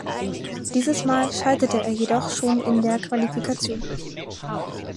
Dieses Mal scheiterte er jedoch schon in der Qualifikation.